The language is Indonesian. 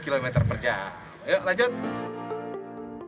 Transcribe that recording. dua puluh km per jam yuk lanjut